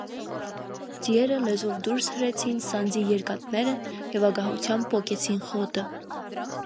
Ձիերը լեզվով դուրս հրեցին սանձի երկաթները և ագահությամբ պոկեցին խոտը: